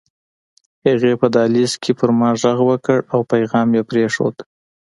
هغې په دهلېز کې په ما غږ وکړ او پيغام يې پرېښود